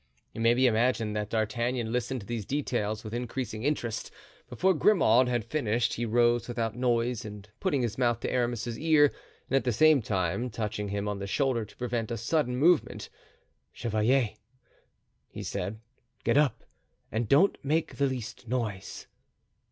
It may be imagined that D'Artagnan listened to these details with increasing interest; before Grimaud had finished he rose without noise and putting his mouth to Aramis's ear, and at the same time touching him on the shoulder to prevent a sudden movement: "Chevalier," he said, "get up and don't make the least noise."